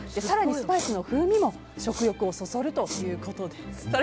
更にスパイスの風味も食欲をそそるということです。